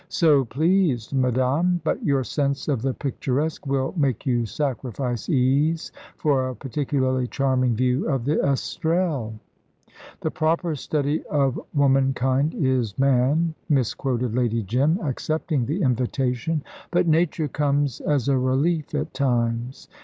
"So pleased, madame; but your sense of the picturesque will make you sacrifice ease for a particularly charming view of the Estrelles." "The proper study of womankind is man," misquoted Lady Jim, accepting the invitation; "but nature comes as a relief at times.